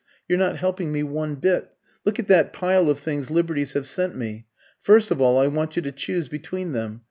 You're not helping me one bit. Look at that pile of things Liberty's have sent me! First of all, I want you to choose between them.